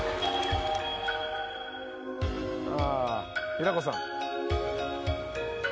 平子さん。